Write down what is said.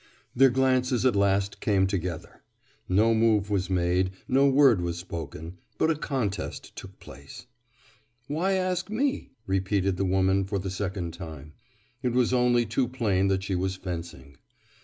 Their glances at last came together. No move was made; no word was spoken. But a contest took place. "Why ask me?" repeated the woman for the second time. It was only too plain that she was fencing.